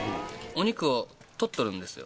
お肉を取っとるんですよ。